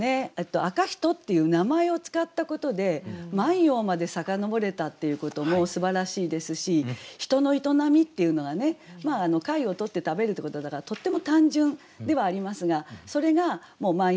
「赤人」っていう名前を使ったことで万葉まで遡れたっていうこともすばらしいですし人の営みっていうのがね貝を取って食べるってことだからとっても単純ではありますがそれがもう万葉の昔。